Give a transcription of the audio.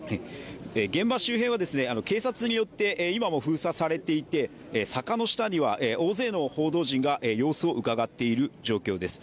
現場周辺は警察によって今も封鎖されていて、坂の下には大勢の報道陣が様子をうかがっている状況です。